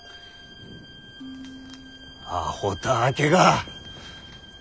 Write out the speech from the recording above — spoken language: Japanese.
あほたわけが！